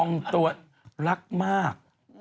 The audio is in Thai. องต่วนรักมาก